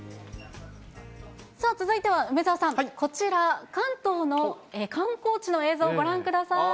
さあ、続いては梅澤さん、こちら、関東の観光地の映像、ご覧ください。